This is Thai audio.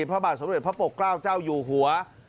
พระบาทสมเด็จพระปกเกล้าเจ้าอยู่หัว